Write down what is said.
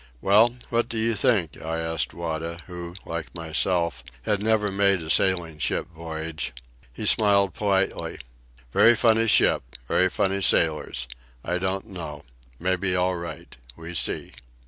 "Well, what do you think?" I asked Wada, who, like myself, had never made a sailing ship voyage. He smiled politely. "Very funny ship. Very funny sailors. I don't know. Mebbe all right. We see."